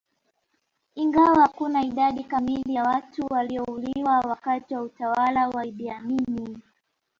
Ingawa hakuna idadi kamili ya watu waliouliwa wakati wa utawala wa Idi Amin